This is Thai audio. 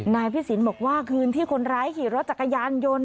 นายพิศิลป์บอกว่าคืนที่คนร้ายขี่รถจักรยานยนต์